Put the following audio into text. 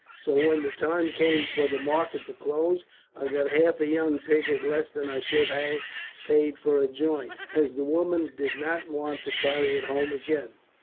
So when the time came for the market to close, I got half a young pig at less than I should hae paid for a joint, as the woman did not want to carry it home again."